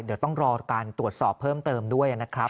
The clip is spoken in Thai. เดี๋ยวต้องรอการตรวจสอบเพิ่มเติมด้วยนะครับ